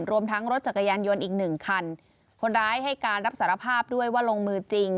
รวมทั้งรถจักรยานยนต์อีกหนึ่งคันคนร้ายให้การรับสารภาพด้วยว่าลงมือจริง